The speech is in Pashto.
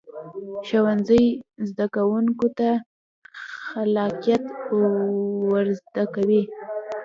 ښوونځی زده کوونکو ته خلاقیت ورزده کوي